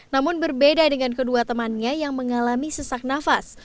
namun berbeda dengan kedua temannya yang mengalami sesak nafas